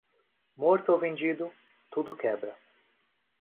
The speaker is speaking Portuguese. Morto ou vendido, tudo quebra.